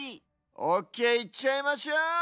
オッケーいっちゃいましょう！